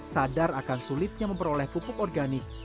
sadar akan sulitnya memperoleh pupuk organik